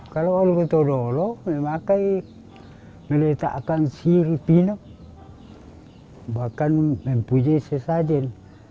kalau al qudro memang mereka akan siripinak bahkan mempunyai sesajen